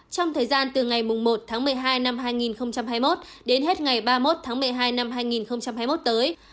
trong thời gian từ ngày một tháng một mươi hai năm hai nghìn hai mươi một đến hết ngày ba mươi một tháng một mươi hai năm hai nghìn hai mươi một tới